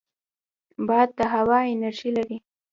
باد د هوا انرژي لري